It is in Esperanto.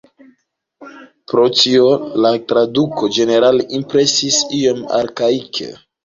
Pro tio la traduko ĝenerale impresis iom arkaike.